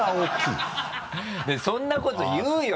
そんなこと言うよ！